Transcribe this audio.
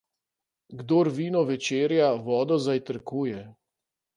Kdor vino večerja, vodo zajtrkuje.